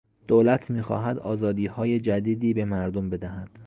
دولت میخواهد آزادیهای جدیدی به مردم بدهد.